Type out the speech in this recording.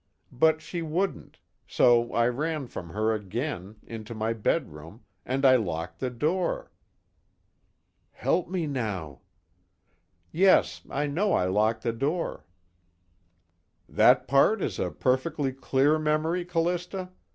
But she wouldn't, so I ran from her again, into my bedroom, and I locked the door." (Help me now!) "Yes, I know I locked the door." "That part is a perfectly clear memory, Callista?